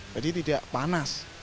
jadi tidak panas